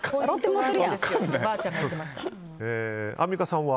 アンミカさんは？